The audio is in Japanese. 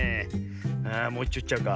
あもういっちょいっちゃおうか。